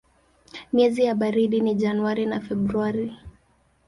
Miezi ya baridi ni Januari na Februari.